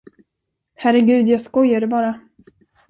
Herregud, jag skojade bara.